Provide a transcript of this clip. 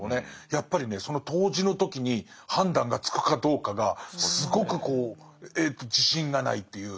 やっぱりねその当時の時に判断がつくかどうかがすごく自信がないっていう。